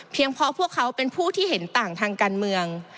เพราะพวกเขาเป็นผู้ที่เห็นต่างทางการเมือง